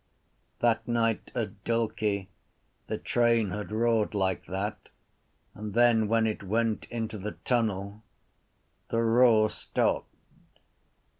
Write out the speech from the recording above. That night at Dalkey the train had roared like that and then, when it went into the tunnel, the roar stopped.